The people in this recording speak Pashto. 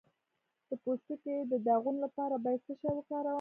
د پوستکي د داغونو لپاره باید څه شی وکاروم؟